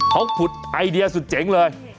เขาขุดไอเดียสุดเจ๋งเลย